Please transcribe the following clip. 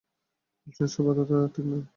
স্ট্রেঞ্জকে বাধা দেয়া ঠিক হয়নি।